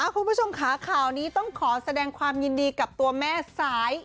คุณผู้ชมค่ะข่าวนี้ต้องขอแสดงความยินดีกับตัวแม่สาย